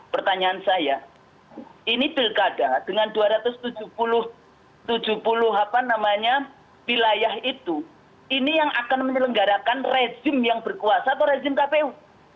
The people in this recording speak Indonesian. pertanyaan saya ini pilkada dengan dua ratus tujuh puluh apa namanya wilayah itu ini yang akan menyelenggarakan rezim yang berkuasa atau rezim kpu